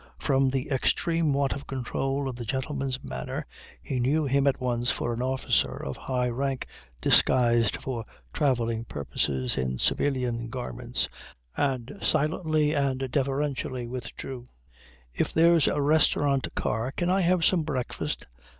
From the extreme want of control of the gentleman's manner he knew him at once for an officer of high rank disguised for travelling purposes in civilian garments, and silently and deferentially withdrew. "If there's a restaurant car can I have some breakfast?"